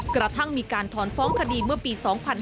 กระทั่งมีการถอนฟ้องคดีเมื่อปี๒๕๕๙